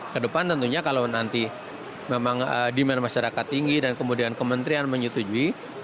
kedepan tentunya kalau nanti memang demand masyarakat tinggi dan kemudian kementerian menyetujui